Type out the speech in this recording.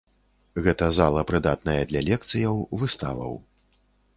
Гэта зала прыдатная для лекцыяў, выставаў.